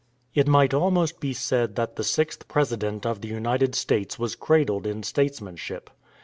] It might almost be said that the sixth President of the United States was cradled in statesmanship.